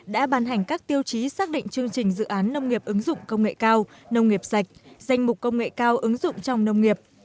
đã ban hành các tiêu chí xác định chương trình dự án nông nghiệp ứng dụng công nghệ cao nông nghiệp sạch danh mục công nghệ cao ứng dụng trong nông nghiệp